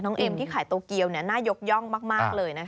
เอ็มที่ขายโตเกียวน่ายกย่องมากเลยนะคะ